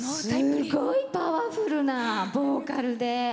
すごいパワフルなボーカルで。